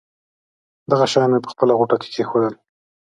دغه شیان مې په خپله غوټه کې کېښودل.